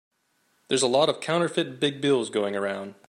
There's a lot of counterfeit big bills going around.